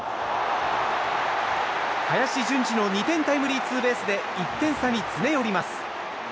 林純司の２点タイムリーツーベースで１点差に詰め寄ります。